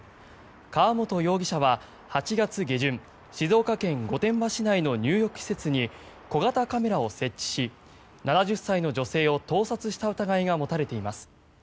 川本容疑者は８月下旬静岡県御殿場市内の入浴施設に小型カメラを設置し７０歳の女性を盗撮した疑いが持たれています。